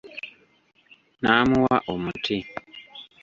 Naamuwa omuti .